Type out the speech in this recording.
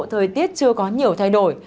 thời tiết chưa có nhiều thay đổi